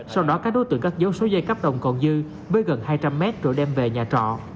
sau đó các đối tượng cất dấu số dây cắp đồng còn dư với gần hai trăm linh mét rồi đem về nhà trọ